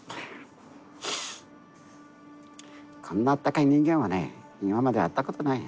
こんなあったかい人間はね今まで会ったことないよ。